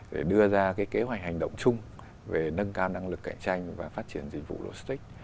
để đưa ra cái kế hoạch hành động chung về nâng cao năng lực cạnh tranh và phát triển dịch vụ logistics